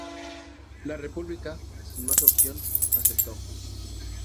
La República, sin más opción, aceptó.